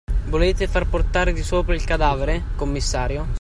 Volete far portare di sopra il cadavere, commissario?